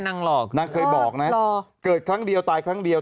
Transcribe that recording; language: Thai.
หลอกนะนางเคยบอกนะเกิดครั้งเดียวตายครั้งเดียว